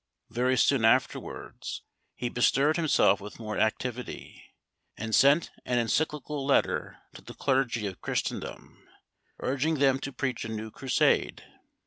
Very soon afterwards, he bestirred himself with more activity, and sent an encyclical letter to the clergy of Christendom, urging them to preach a new Crusade.